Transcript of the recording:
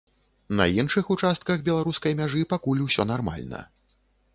На іншых участках беларускай мяжы пакуль усё нармальна.